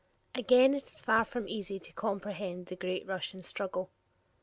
Again it is far from easy to comprehend the great Russian struggle.